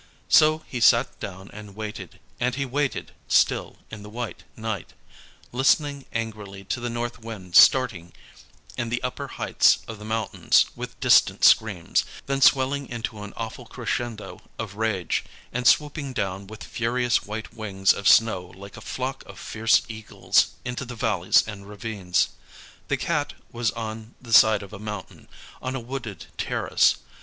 So he sat down and waited, and he waited still in the white night, listening angrily to the north wind starting in the upper heights of the mountains with distant screams, then swelling into an awful crescendo of rage, and swooping down with furious white wings of snow like a flock of fierce eagles into the valleys and ravines. The Cat was on the side of a mountain, on a wooded terrace.